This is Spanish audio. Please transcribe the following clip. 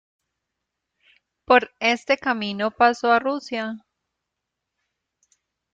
Por este camino pasó a Rusia.